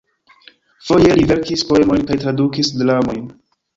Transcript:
Foje li verkis poemojn kaj tradukis dramojn.